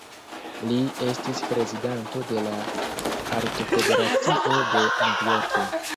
Li estis prezidanto de la Artofederacio de Novjorko.